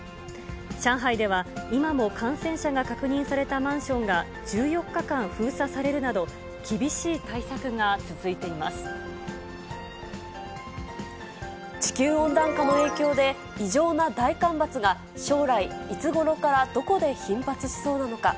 上海では今も感染者が確認されたマンションが１４日間封鎖される地球温暖化の影響で、異常な大干ばつが将来、いつごろから、どこで頻発しそうなのか。